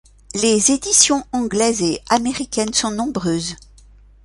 Les éditions anglaises et américaines sont nombreuses.